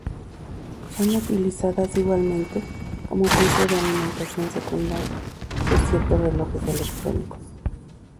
Son utilizadas igualmente como fuente de alimentación secundaria de ciertos relojes electrónicos.